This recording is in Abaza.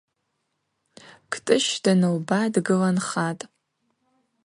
Кӏтӏыщ данылба дгыланхатӏ.